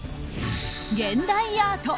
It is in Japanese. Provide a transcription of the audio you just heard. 現代アート。